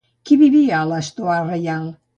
Qui vivia a la Stoà Reial?